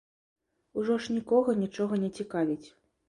Ужо ж нікога нічога не цікавіць.